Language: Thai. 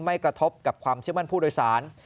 กระทบกับความเชื่อมั่นผู้โดยสาร